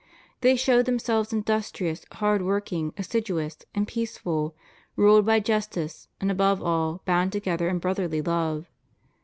They showed them selves industrious, hard working, assiduous, and peaceful, ruled by justice, and, above all, bound together in brotherly love.